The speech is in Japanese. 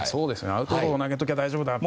アウトロー投げておけば大丈夫だと。